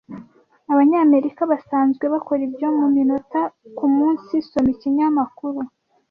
Abanyamerika basanzwe bakora ibyo muminota kumunsi Soma Ikinyamakuru